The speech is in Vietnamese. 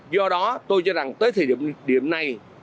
do đó tôi cho rằng tới thời điểm này